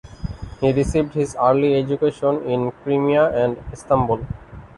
He received his early education in Crimea and Istanbul.